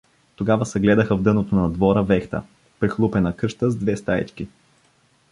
Тогава съгледаха в дъното на двора вехта, прихлупена къща с две стаички.